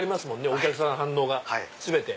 お客さんの反応が全て。